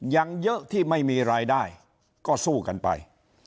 ยังเยอะที่ไม่มีรายได้ก็สู้กันไป